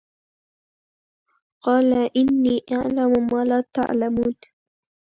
قَالَ إِنِّىٓ أَعْلَمُ مَا لَا تَعْلَمُونَ